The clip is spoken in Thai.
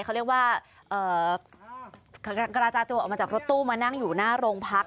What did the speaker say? เขาเรียกว่ากระจายตัวออกมาจากรถตู้มานั่งอยู่หน้าโรงพัก